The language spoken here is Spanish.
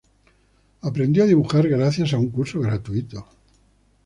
Aprendió a dibujar gracias a un curso gratuito.